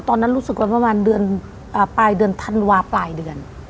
ตอนนั้นรู้สึกว่าประมาณเดือนทันวาส์ปลายเดือน